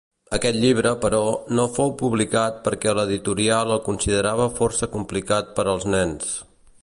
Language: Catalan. Aquest llibre, però, no fou publicat perquè l'editorial el considerava força complicat per als nens.